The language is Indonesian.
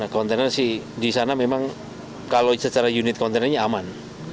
kontainer di sana memang kalau secara unit kontainernya aman